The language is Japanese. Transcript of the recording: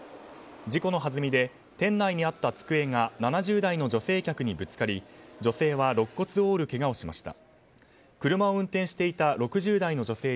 事故のはずみで店内にあった机が７０代の女性客ぶつかり女性はろっ骨を折るけがをしました。